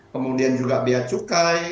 kemudian juga biaya cukai